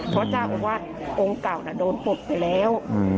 เพราะเจ้าอาวาสองค์เก่าโดนปลดไปแล้ว